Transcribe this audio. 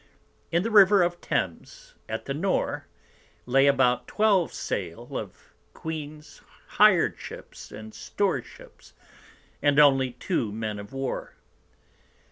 In the River of Thames, at the Nore, lay about 12 Sail of the Queen's hir'd Ships and Store ships, and only two Men of War.